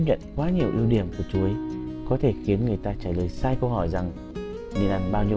nhận quá nhiều ưu điểm của chuối có thể khiến người ta trả lời sai câu hỏi rằng nên là bao nhiêu